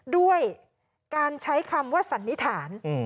ด้วยการใช้คำว่าสันนิษฐาน